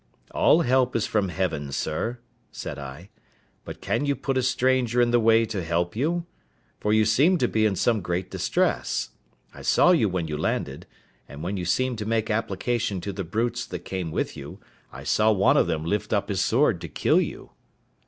"All help is from heaven, sir," said I, "but can you put a stranger in the way to help you? for you seem to be in some great distress. I saw you when you landed; and when you seemed to make application to the brutes that came with you, I saw one of them lift up his sword to kill you."